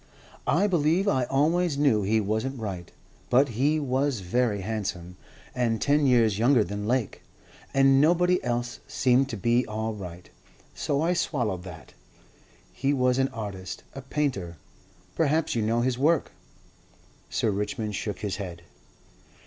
"I believe I always knew he wasn't right. But he was very handsome. And ten years younger than Lake. And nobody else seemed to be all right, so I swallowed that. He was an artist, a painter. Perhaps you know his work." Sir Richmond shook his head.